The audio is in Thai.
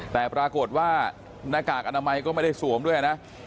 แต่ปรากฏว่าหน้ากากอนามัยก็ไม่ได้สวมด้วยนะ